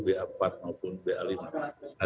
ba empat maupun ba lima